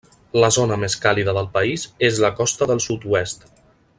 La zona més càlida del país és la costa del sud-oest.